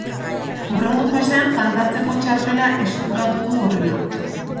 Hurrengo fasean kantatzeko txartela eskuratu du horrela.